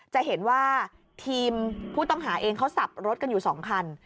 จะเห็นว่าทีมผู้ต้องหาเองเขาสับรถกันอยู่๒คัน